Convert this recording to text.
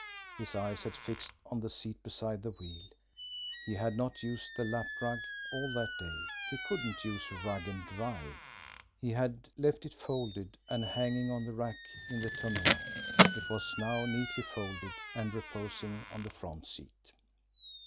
His eyes had fixed on the seat beside the wheel. He had not used the lap rug all that day, he couldn't use a rug and drive, he had left it folded and hanging on the rack in the tonneau it was now neatly folded and reposing on the front seat!